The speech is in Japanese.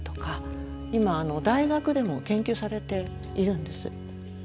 今大学でも研究されているんです。